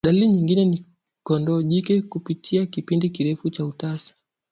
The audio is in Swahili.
Dalili nyingine ni kondoo jike kupitia kipindi kirefu cha utasa